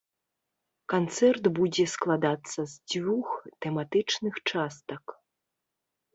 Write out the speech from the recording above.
Канцэрт будзе складацца з дзвюх тэматычных частак.